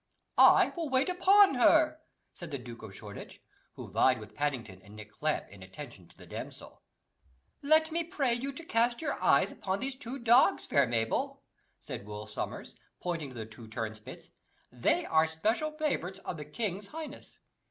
"I will wait upon her," said the Duke of Shoreditch.' who vied with Paddington and Nick Clamp in attention to the damsel. "Let me pray you to cast your eyes upon these two dogs, fair Mabel," said Will Sommers, pointing to the two turn spits, "they are special favourites of the king's highness.